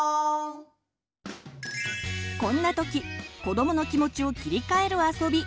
こんな時子どもの気持ちを切り替えるあそび